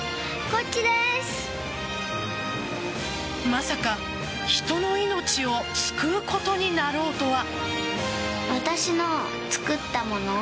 まさか人の命を救うことになろうとは。